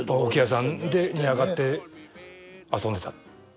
置屋さんに上がって遊んでた。